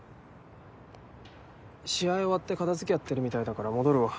試合終わって片づけやってるみたいだから戻るわ。